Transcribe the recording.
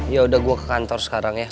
yaudah gue ke kantor sekarang ya